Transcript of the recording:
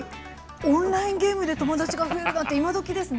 オンラインゲームで友達が増えるなんて今どきですね。